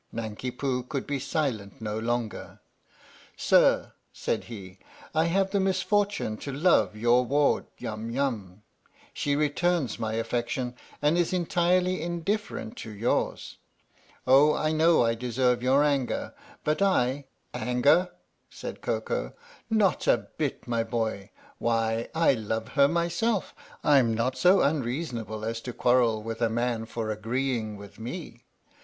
Nanki Poo could be silent no longer. " Sir," said he, " I have the misfortune to love your ward Yum Yum ; she returns my affection and is entirely indifferent to yours. Oh, I know I deserve your anger, but I "" Anger ?" said Koko. " Not a bit, my boy. Why I love her myself! I'm not so unreasonable as to quarrel with a man for agreeing with me.